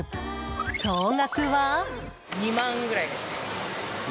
総額は？